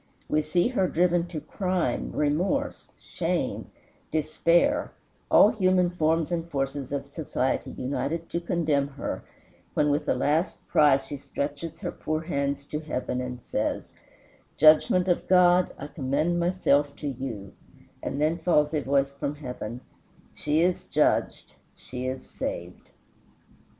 We see her driven to crime, remorse, shame, despair, all human forms and forces of society united to condemn her, when with a last cry she stretches her poor hands to heaven and says, "Judgment of God, I commend myself to you;" and then falls a voice from heaven, "She is judged; she is saved."